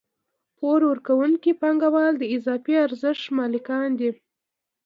پور ورکوونکي پانګوال د اضافي ارزښت مالکان دي